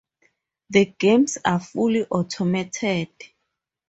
The games are fully automated.